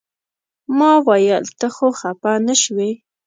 ما ویل ته خو خپه نه شوې.